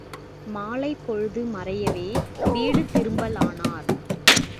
மாலைப் பொழுது மறையவே வீடு திரும்பலானார்.